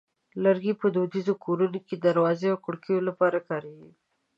لرګی په دودیزو کورونو کې د دروازو او کړکیو لپاره کارېږي.